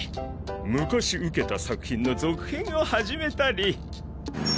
昔受けた作品の続編を始めたり。